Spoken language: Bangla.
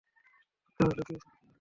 কোথায় লুকিয়েছে খুঁজে বের কর।